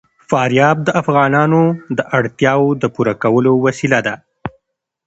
فاریاب د افغانانو د اړتیاوو د پوره کولو وسیله ده.